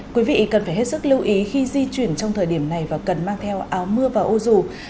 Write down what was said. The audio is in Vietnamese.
quý vị cần phải hết sức lưu ý khi di chuyển trong thời điểm này và cần mang theo áo mưa và ô dù